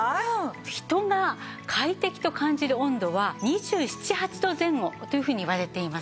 人が快適と感じる温度は２７２８度前後というふうにいわれています。